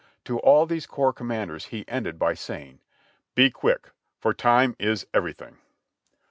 To all these corps commanders he ended by saying: "Be quick, for time is everything."